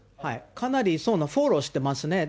かなりフォローしてますね。